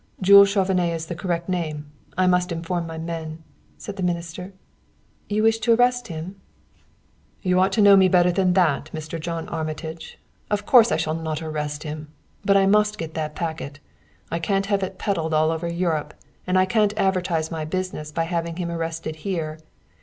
"Jules Chauvenet is the correct name. I must inform my men," said the minister. "You wish to arrest him?" "You ought to know me better than that, Mr. John Armitage! Of course I shall not arrest him! But I must get that packet. I can't have it peddled all over Europe, and I can't advertise my business by having him arrested here.